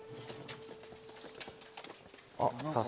あっ早速。